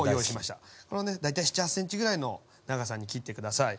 大体７８ｃｍぐらいの長さに切って下さい。